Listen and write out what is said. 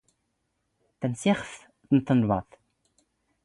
ⵜⴰⵏⵙⵙⵉⵅⴼⵜ ⵏ ⵜⵏⴱⴰⴹⵜ.